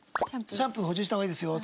シャンプー補充した方がいいですよ。